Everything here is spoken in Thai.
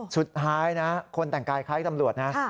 สุดท้ายนะคนแต่งกายคล้ายตำรวจนะ